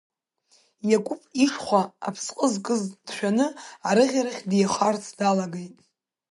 Иақәыԥ ишхәа аԥсҟы зкыз дшәаны арыӷьарахь деихарц далагеит.